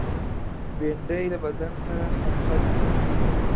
بېنډۍ له بدن سره همغږې ده